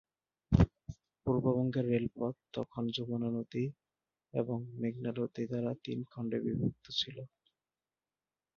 পূর্ববঙ্গের রেলপথ তখন যমুনা নদী এবং মেঘনা নদী দ্বারা তিন খণ্ডে বিভক্ত ছিল।